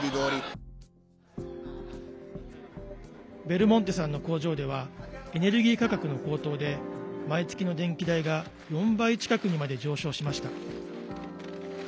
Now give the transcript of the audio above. ベルモンテさんの工場ではエネルギー価格の高騰で毎月の電気代が４倍近くにまで上昇しました。